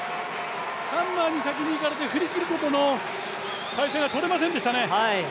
ハンマーに先に行かれて振り切ることの体勢がとれませんでしたね。